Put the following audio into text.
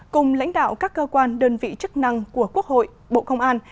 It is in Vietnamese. cùng lãnh đạo các cơ quan đơn vị chức năng của quốc hội bộ công an